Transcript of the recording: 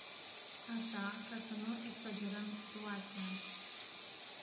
Așa că să nu exagerăm situația.